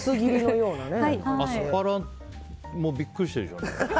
アスパラもビックリしてるでしょうね。